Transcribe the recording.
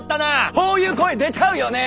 そういう声出ちゃうよねー。